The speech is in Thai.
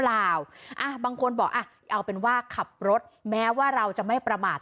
บางคนบอกอ่ะเอาเป็นว่าขับรถแม้ว่าเราจะไม่ประมาท